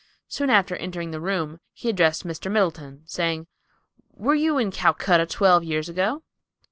Soon after entering the room, he addressed Mr. Middleton, saying, "Were you in Calcutta twelve years ago?"